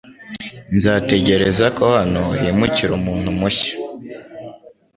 Nzategereza ko hano himukira umuntu mushya .